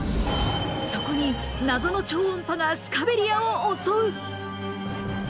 そこに謎の超音波がスカベリアを襲う！